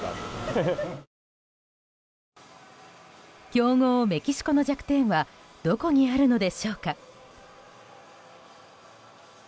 強豪メキシコの弱点はどこにあるのでしょうか。